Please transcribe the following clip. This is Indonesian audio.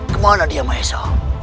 kemana dia mahesha